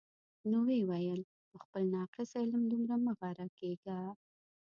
نو ویې ویل: په خپل ناقص علم دومره مه غره کېږه.